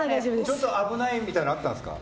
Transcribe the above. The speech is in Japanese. ちょっと危ないみたいなのはあったんですか？